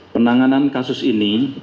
penanganan kasus ini